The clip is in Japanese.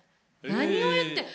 「何を言ってるの？